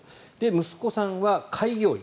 息子さんは開業医。